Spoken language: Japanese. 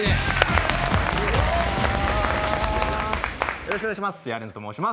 よろしくお願いします